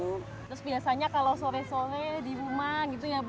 terus biasanya kalau sore sore di rumah gitu ya bu